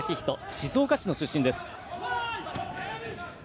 静岡市の出身です。